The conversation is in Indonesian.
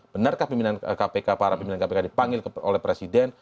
benarkah pimpinan kpk para pimpinan kpk dipanggil oleh presiden